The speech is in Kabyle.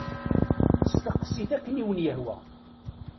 Steqsit akken i wen-yehwa.